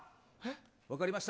分かりました。